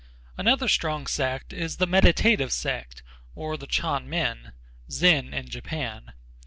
Another strong sect is the Meditative sect or the Ch'an Men (Zen in Japan).